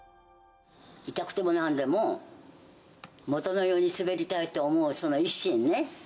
痛くてもなんでも、元のように滑りたいと思う、その一心ね。